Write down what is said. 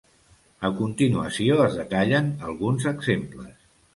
A continuació es detallen alguns exemples.